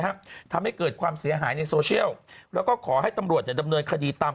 ทำให้เกิดความเสียหายในโซเชียลแล้วก็ขอให้ตำรวจเนี่ยดำเนินคดีตาม